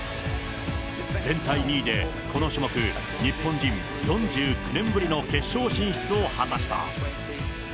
全体２位でこの種目、日本人、４９年ぶりの決勝進出を果たした。